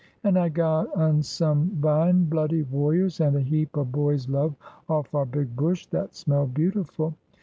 And I got un some vine Bloody Warriors, and a heap of Boy's Love off our big bush, that smelled beautiful.